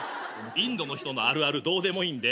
インドの人のあるあるどうでもいいんで。